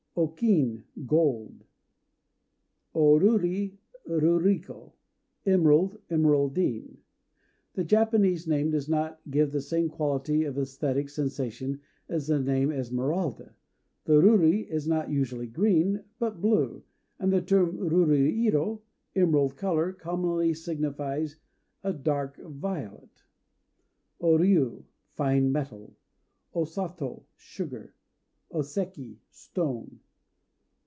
O Kin "Gold." O Ruri} "Emerald," emeraldine? Ruriko } The Japanese name does not give the same quality of æsthetic sensation as the name Esmeralda. The ruri is not usually green, but blue; and the term "ruri iro" (emerald color) commonly signifies a dark violet. O Ryû "Fine Metal." O Sato "Sugar." O Seki "Stone."